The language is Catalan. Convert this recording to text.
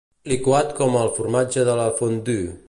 Liquat com el formatge de la fondue.